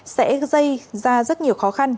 sẽ dây ra rất nhiều khó khăn